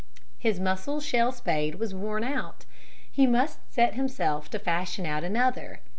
His mussel shell spade was worn out. He must set himself to fashion out another.